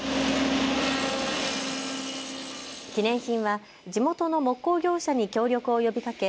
記念品は地元の木工業者に協力を呼びかけ